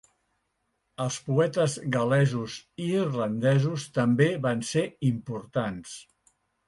Els poetes gal·lesos i irlandesos també van ser importants.